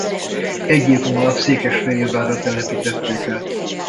Egy év múlva Székesfehérvárra telepítették át.